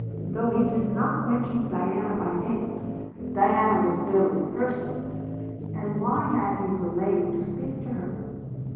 Though he did not mention Diana by name, Diana was clearly the person. And why had he delayed to speak to her?